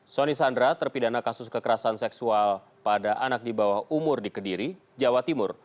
soni sandra terpidana kasus kekerasan seksual pada anak di bawah umur di kediri jawa timur